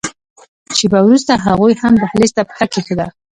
شېبه وروسته هغوی هم دهلېز ته پښه کېښوده.